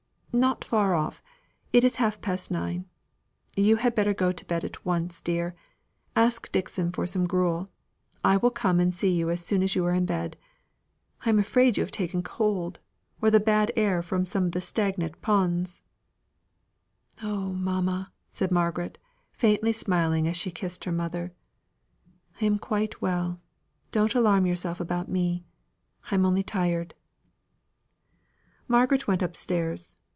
"Not far off it is half past nine. You had better go to bed at once, dear. Ask Dixon for some gruel. I will come and see you as soon as you are in bed. I am afraid you have taken cold; or the bad air from some of the stagnant ponds " "Oh, mamma," said Margaret, faintly smiling as she kissed her mother, "I am quite well don't alarm yourself about me; I am only tired." Margaret went up stairs.